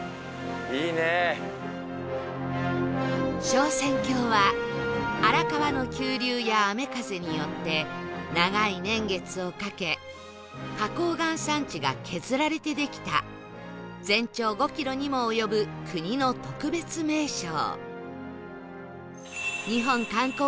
昇仙峡は荒川の急流や雨風によって長い年月をかけ花崗岩山地が削られてできた全長５キロにも及ぶ国の特別名勝